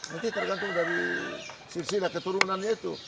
nanti tergantung dari sisi keturunannya itu